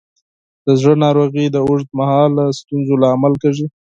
د زړه ناروغۍ د اوږد مهاله ستونزو لامل کېږي.